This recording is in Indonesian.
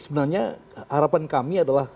sebenarnya harapan kami adalah